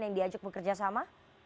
yang diajak bekerja sama